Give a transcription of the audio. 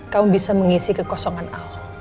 kamu bisa mengisi kekosongan allah